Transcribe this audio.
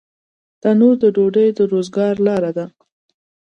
تنور د ډوډۍ د روزګار لاره ده